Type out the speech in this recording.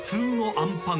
あんパン